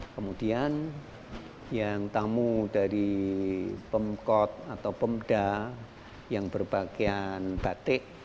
kemudian yang tamu dari pemkot atau pemda yang berpakaian batik